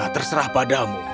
tidak terserah padamu